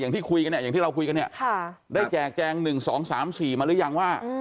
ที่คุยกันเนี่ยอย่างที่เราคุยกันเนี่ยได้แจกแจง๑๒๓๔มาหรือยังว่า